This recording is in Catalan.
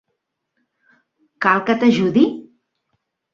Cal que t'ajudi?